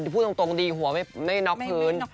พูดตรงดีหัวไม่น็อกพื้น